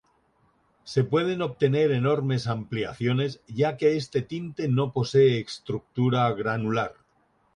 Se pueden obtener enormes ampliaciones, ya que este tinte no posee estructura granular.